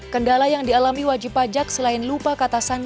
kendala yang dialami wajib pajak selain lupa kata sandi